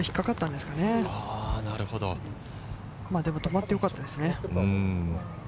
でも止まってよかったですね。